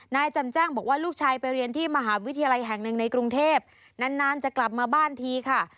จำแจ้งบอกว่าลูกชายไปเรียนที่มหาวิทยาลัยแห่งหนึ่งในกรุงเทพนานจะกลับมาบ้านทีค่ะ